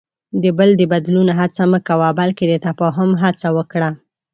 د بل د بدلون هڅه مه کوه، بلکې د تفاهم هڅه وکړه.